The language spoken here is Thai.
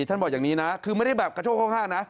บอกอย่างนี้นะคือไม่ได้แบบกระโชกข้างนะ